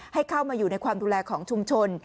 ให้เข้ามาอยู่ในความดูแลของชุมชน